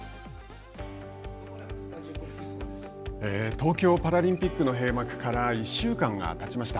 東京パラリンピックの閉幕から１週間がたちました。